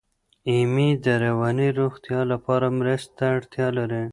ایمي د رواني روغتیا لپاره مرستې ته اړتیا لري.